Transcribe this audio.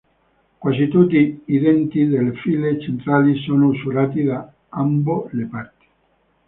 Quasi tutti i denti delle file centrali sono usurati da ambo le parti.